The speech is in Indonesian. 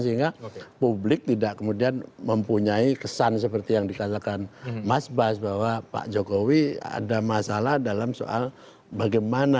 sehingga publik tidak kemudian mempunyai kesan seperti yang dikatakan mas bas bahwa pak jokowi ada masalah dalam soal bagaimana